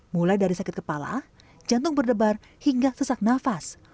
mulai dari sakit kepala jantung berdebar hingga sesak nafas